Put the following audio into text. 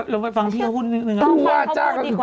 ลองฟังพี่เขาพูดหนึ่งหนึ่งหนึ่งต้องฟังเขาพูดดีกว่า